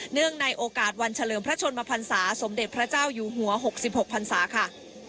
ในโอกาสวันเฉลิมพระชนมพันศาสมเด็จพระเจ้าอยู่หัว๖๖พันศาค่ะ